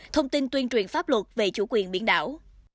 thông tin tuyên truyền pháp luật về chủ quyền biển đảo